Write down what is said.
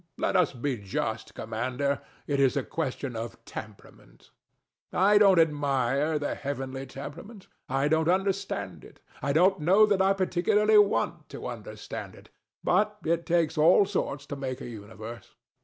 Let us be just, Commander: it is a question of temperament. I don't admire the heavenly temperament: I don't understand it: I don't know that I particularly want to understand it; but it takes all sorts to make a universe.